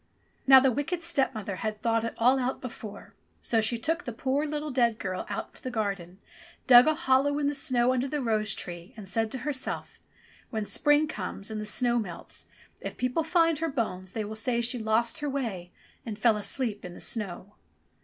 Now the wicked stepmother had thought it all out before, so she took the poor little dead girl out to the garden, dug a hollow in the snow under the rose tree, and said to herself, *'When spring comes and the snow melts, if people find her bones, they will say she lost her way and fell asleep in the snow.'